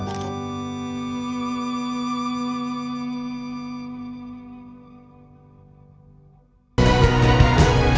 harus ada yang menunggu